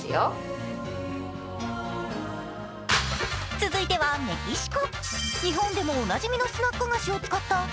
続いてはメキシコ。